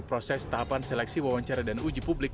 proses tahapan seleksi wawancara dan uji publik